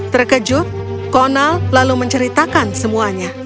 terkejut konal lalu menceritakan semuanya